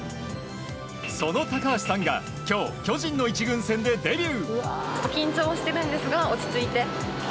その高橋さんが今日巨人の１軍戦でデビュー。